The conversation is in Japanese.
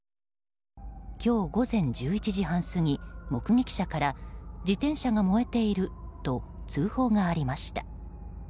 今日午前１１時半過ぎ目撃者から自転車が燃えていると通報がありました。